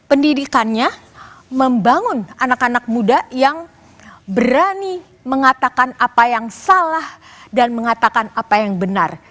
pendidikannya membangun anak anak muda yang berani mengatakan apa yang salah dan mengatakan apa yang benar